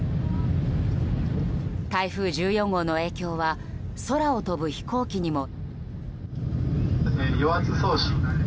台風１４号の影響は空を飛ぶ飛行機にも。